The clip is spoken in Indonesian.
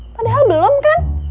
padahal belum kan